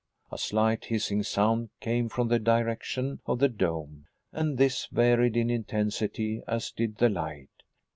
A slight hissing sound came from the direction of the dome, and this varied in intensity as did the light.